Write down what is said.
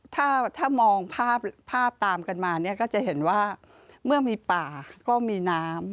ถ้ามองภาพตามกันมาก็จะเห็นว่าเมื่อมีป่าก็มีน้ำ